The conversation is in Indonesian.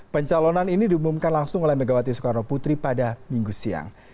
pencalonan ini diumumkan langsung oleh megawati soekarno putri pada minggu siang